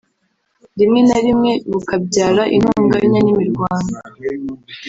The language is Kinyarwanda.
rimwe na rimwe bukabyara intonganya n’imirwano